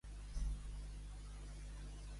L'aigua fa rases.